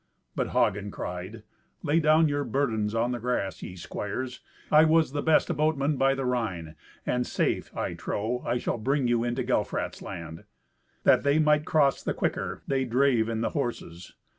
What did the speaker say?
But Hagen cried, "Lay down your burdens on the grass, ye squires. I was the best boatman by the Rhine, and safe, I trow, I shall bring you into Gelfrat's land." That they might cross the quicker, they drave in the horses.